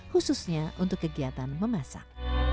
khususnya untuk kegiatan memasak